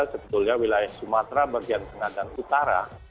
sebetulnya wilayah sumatera bagian tengah dan utara